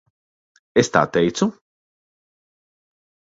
Es tā teicu?